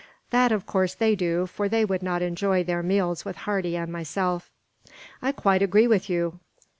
That of course they do, for they would not enjoy their meals with Hardy and myself." "I quite agree with you."